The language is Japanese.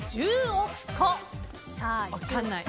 Ｃ、１０億個。